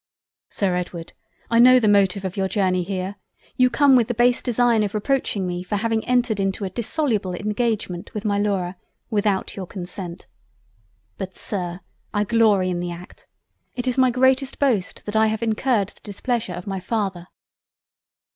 "Sir Edward, I know the motive of your Journey here—You come with the base Design of reproaching me for having entered into an indissoluble engagement with my Laura without your Consent. But Sir, I glory in the Act—. It is my greatest boast that I have incurred the displeasure of my Father!"